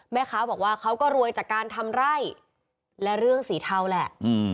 แม่ค้าบอกว่าเขาก็รวยจากการทำไร่และเรื่องสีเทาแหละ